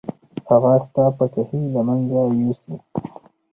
هغه ستا پاچاهي له منځه یوسي.